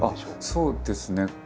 そうですね。